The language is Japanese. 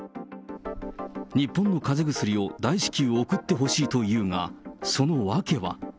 日本のかぜ薬を大至急送ってほしいというが、その訳は。